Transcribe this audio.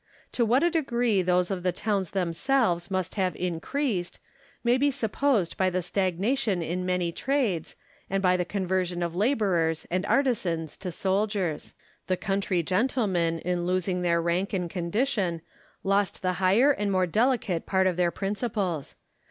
To what a degree those of the towns themselves must have increased, may be supposed by the stagnation in many trades, and by the conversion of labourers and artisans to soldiers. The country gentlemen, in losing their rank and condition, lost the higher and more delicate part of their principles.